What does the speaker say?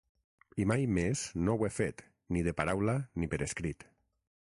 I mai més no ho he fet, ni de paraula ni per escrit.